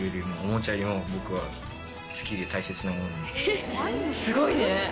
えっすごいね。